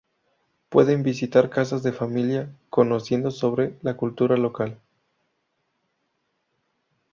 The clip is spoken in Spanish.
Se pueden visitar casas de familia, conociendo sobre la cultura local.